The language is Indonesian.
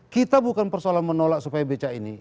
kita bukan persoalan menolak supaya beca ini